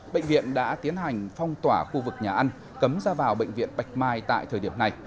bệnh viện đã tiến hành phong tỏa khu vực nhà ăn cấm ra vào bệnh viện bạch mai tại thời điểm này